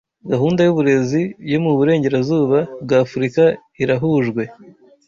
gahunda y'uburezi yo muburengerazuba bwa afrika irahujwe